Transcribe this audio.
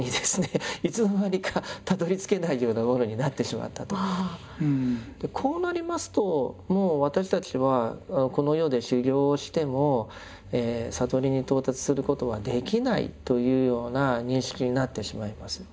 まあある意味でこうなりますともう私たちはこの世で修行しても悟りに到達することはできないというような認識になってしまいます。